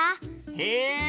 へえ！